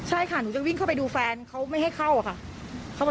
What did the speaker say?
ใช่ค่ะหนูจะวิ่งเข้าไปดูแฟนเขาไม่ให้เข้าค่ะ